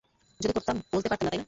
যদি করতামও, বলতে পারতাম না, তাই না?